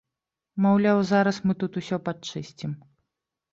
Маўляў, зараз мы тут усё падчысцім.